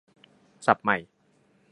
ศัพท์ใหม่